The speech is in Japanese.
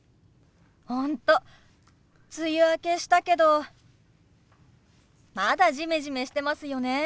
本当梅雨明けしたけどまだジメジメしてますよね。